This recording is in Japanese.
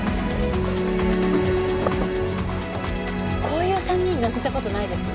こういう３人乗せた事ないです？